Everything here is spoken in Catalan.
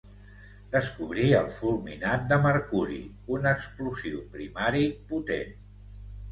Descobrí el fulminat de mercuri, un explosiu primari potent.